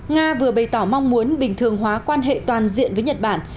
nga vừa bày tỏ mong muốn bình thường hóa quan hệ toàn diện với nhật bản